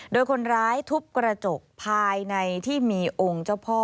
โดยคนร้ายทุบกระจกภายในที่มีองค์เจ้าพ่อ